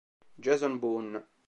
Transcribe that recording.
Jason Boone